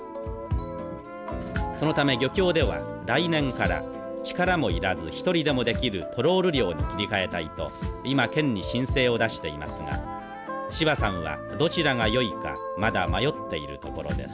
そのため漁協では来年から力もいらず１人でもできるトロール漁に切り替えたいと今県に申請を出していますが芝さんはどちらがよいかまだ迷っているところです。